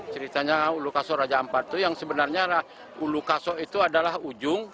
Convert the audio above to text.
ceritanya ulu kaso raja ampat itu yang sebenarnya ulu kasok itu adalah ujung